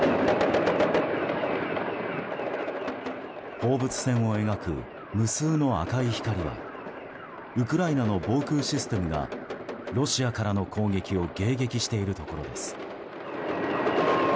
放物線を描く無数の赤い光はウクライナの防空システムがロシアからの攻撃を迎撃しているところです。